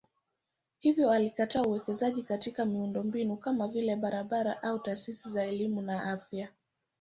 Hivyo alikataa uwekezaji katika miundombinu kama vile barabara au taasisi za elimu na afya.